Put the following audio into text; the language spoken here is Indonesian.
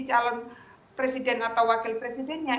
calon presiden atau wakil presidennya